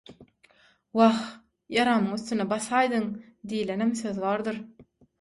„Wah, ýaramyň üstüne basaýdyň“ diýlenem söz bardyr.